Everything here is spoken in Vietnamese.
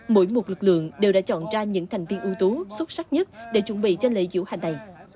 mỗi một lực lượng đều đã chọn ra những thành viên ưu tố xuất sắc nhất để chuẩn bị cho lễ diễu hành này